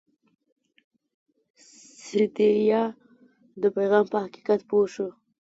سیندهیا د پیغام په حقیقت پوه شو.